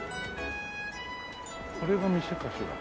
これが店かしら？